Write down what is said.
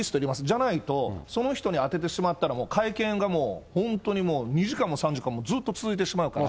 じゃないと、その人に当ててしまったらもう会見がもう、本当にもう２時間も３時間もずっと続いてしまうから。